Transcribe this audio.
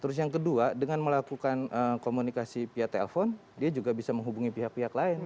terus yang kedua dengan melakukan komunikasi via telepon dia juga bisa menghubungi pihak pihak lain